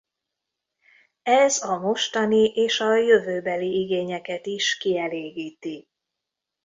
Ez a mostani és a jövőbeli igényeket is kielégíti.